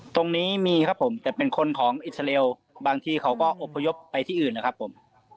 ตรงนี้มีครับผมแต่เป็นคนของอิสราเอลบางทีเขาก็อบพยพไปที่อื่นนะครับผม